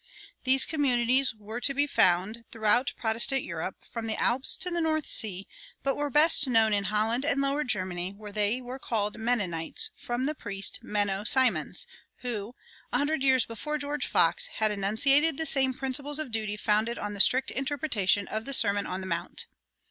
These communities were to be found throughout Protestant Europe, from the Alps to the North Sea, but were best known in Holland and Lower Germany, where they were called Mennonites, from the priest, Menno Simons, who, a hundred years before George Fox, had enunciated the same principles of duty founded on the strict interpretation of the Sermon on the Mount.